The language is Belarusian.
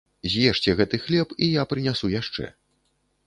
З'ешце гэты хлеб, і я прынясу яшчэ.